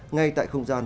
ngay tại không gian